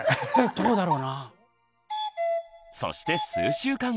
どうだろうな？